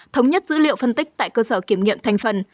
thống nhất dữ liệu phân tích tại cơ sở kiểm nghiệm thành phần